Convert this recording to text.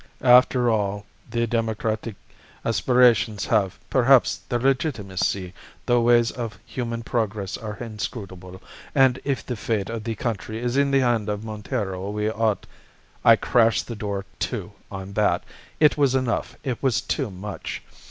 "'After all, the Democratic aspirations have, perhaps, their legitimacy. The ways of human progress are inscrutable, and if the fate of the country is in the hand of Montero, we ought ' "I crashed the door to on that; it was enough; it was too much.